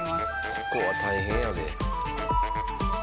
ここは大変やで。